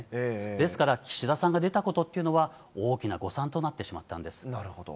ですから、岸田さんが出たことっていうのは、大きな誤算となってしまったんです。